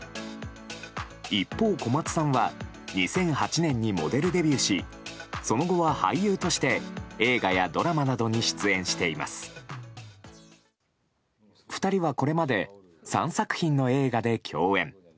一方、小松さんは２００８年にモデルデビューしその後は俳優として、映画やドラマなどに出演しています。